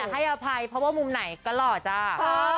ให้อภัยเพราะว่ามุมไหนก็หล่อจ้า